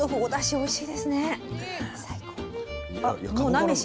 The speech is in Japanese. おいしい！